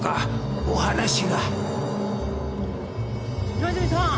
今泉さん！